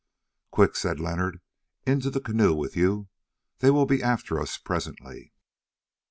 "Quick," said Leonard, "into the canoe with you. They will be after us presently."